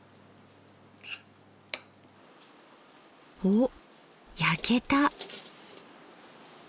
おっ焼けた！